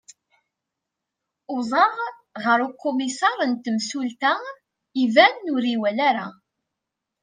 uẓaɣ ɣer ukumisar n temsulta iban ur iyi-iwali ara